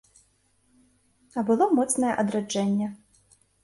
А было моцнае адраджэнне.